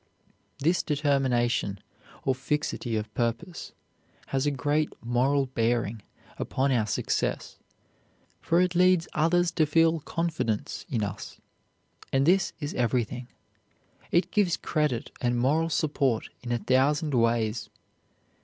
This determination, or fixity of purpose, has a great moral bearing upon our success, for it leads others to feel confidence in us, and this is everything. It gives credit and moral support in a thousand ways.